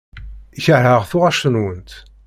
Keṛheɣ tuɣac-nwent.